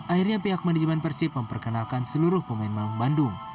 akhirnya pihak manajemen persib memperkenalkan seluruh pemain maung bandung